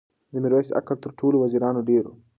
د میرویس عقل تر ټولو وزیرانو ډېر و.